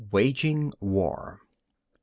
WAGING WAR 1.